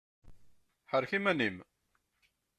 Ḥerrek iman-im!